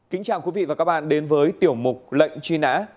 kính chào quý vị và các bạn đến với tiểu mục lệnh truy nã